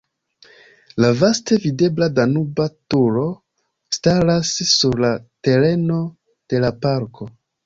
La vaste videbla Danuba Turo staras sur la tereno de la parko.